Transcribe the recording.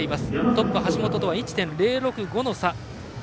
トップ橋本とは１．０６５の差。